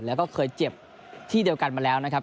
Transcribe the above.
แล้วก็เคยเจ็บที่เดียวกันมาแล้วนะครับ